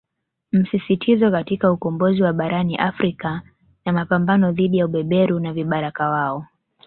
Msisitizo katika ukombozi wa Barani Afrika na mapambano dhidi ya ubeberu na vibaraka wao